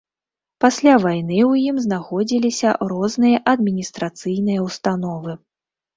Пасля вайны ў ім знаходзіліся розныя адміністрацыйныя ўстановы.